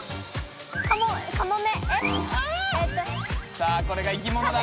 さあこれがいきものだ。